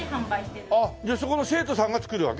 じゃあそこの生徒さんが作るわけ？